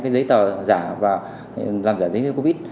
giấy tờ giả và làm giả giấy covid